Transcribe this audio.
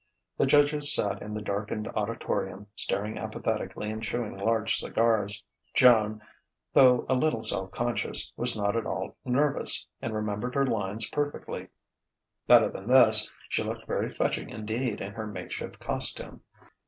The judges sat in the darkened auditorium, staring apathetically and chewing large cigars. Joan, though a little self conscious, was not at all nervous, and remembered her lines perfectly; better than this, she looked very fetching indeed in her makeshift costume.